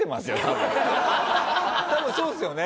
多分そうですよね。